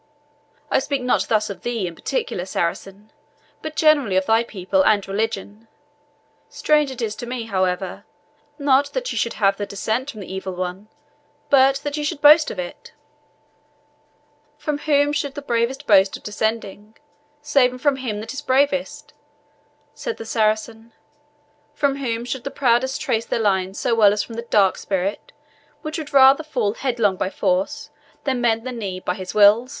I speak not thus of thee in particular, Saracen, but generally of thy people and religion. Strange is it to me, however, not that you should have the descent from the Evil One, but that you should boast of it." "From whom should the bravest boast of descending, saving from him that is bravest?" said the Saracen; "from whom should the proudest trace their line so well as from the Dark Spirit, which would rather fall headlong by force than bend the knee by his will?